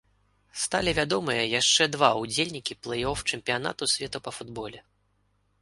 Сталі вядомыя яшчэ два ўдзельнікі плэй-оф чэмпіянату свету па футболе.